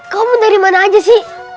kamu dari mana aja sih